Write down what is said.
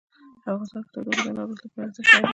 افغانستان کې تودوخه د نن او راتلونکي لپاره ارزښت لري.